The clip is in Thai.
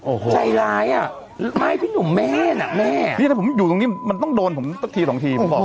โอ้โหใจร้ายอ่ะไม่พี่หนุ่มแม่น่ะแม่นี่ถ้าผมอยู่ตรงนี้มันต้องโดนผมสักทีสองทีผมบอก